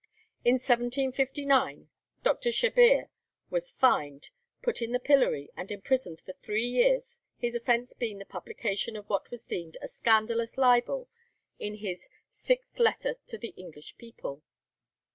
In 1759 Dr. Shebbeare was fined, put in the pillory, and imprisoned for three years, his offence being the publication of what was deemed a scandalous libel in his 'Sixth Letter to the English People.'